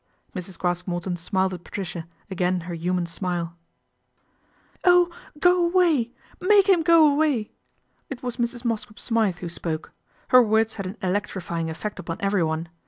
Mrs. Craske Morton smiled at Patricia, again icr human smile " Oh ! go away, make him go away !" It was trs. Mosscrop Smythe who spoke. Her words lad an electrifying effect upon everyone.